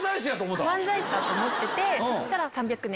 漫才師だと思ってて。